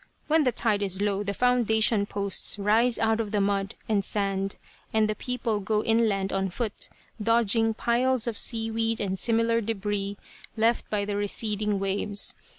When the tide is low the foundation posts rise out of the mud and sand, and the people go inland on foot, dodging piles of seaweed and similar debris, left by the receding waves.